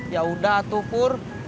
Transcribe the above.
yaudah tuh pur